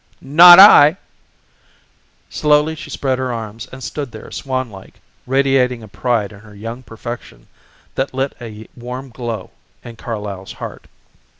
"Not I!" Slowly she spread her arms and stood there swan like, radiating a pride in her young perfection that lit a warm glow in Carlyle's heart.